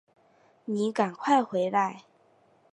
妳赶快回来